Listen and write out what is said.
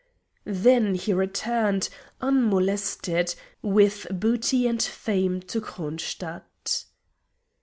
Then he returned, unmolested, with booty and fame to Kronstadt.